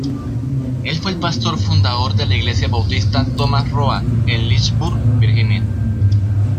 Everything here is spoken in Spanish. Él fue el pastor fundador de la Iglesia Bautista Thomas Road en Lynchburg, Virginia.